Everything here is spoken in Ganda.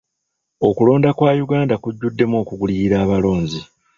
Okulonda kwa Uganda kujjuddemu okugulirira abalonzi.